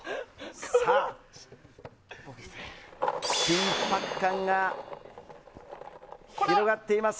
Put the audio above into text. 緊迫感が広がっています。